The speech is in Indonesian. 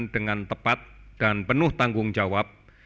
dengan tepat dan penuh tanggung jawab